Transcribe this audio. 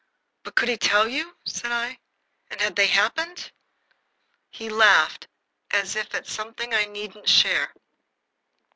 "But could he tell you?" said I. "And had they happened?" He laughed, as if at something I needn't share.